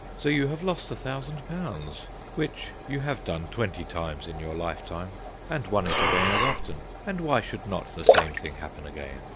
So you have lost a thousand pounds, which you have done twenty times in your lifetime, and won it again as often, and why should not the same thing happen again?